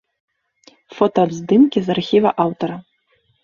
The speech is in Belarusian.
Фотаздымкі з архіва аўтара.